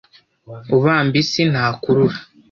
Ubamba isi ntakurura.